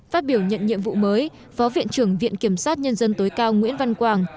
phát biểu nhận nhiệm vụ mới phó viện trưởng viện kiểm sát nhân dân tối cao nguyễn văn quảng